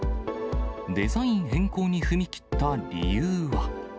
デザイン変更に踏み切った理由は。